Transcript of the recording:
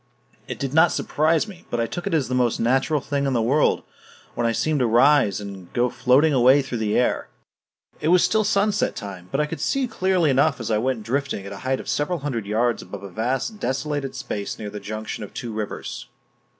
It did not surprise me, but I took it as the most natural thing in the world when I seemed to rise and go floating away through the air. It was still sunset time, but I could see clearly enough as I went drifting at a height of several hundred yards above a vast desolated space near the junction of two rivers.